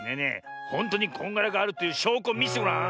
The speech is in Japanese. ほんとにこんがらガールというしょうこをみせてごらん。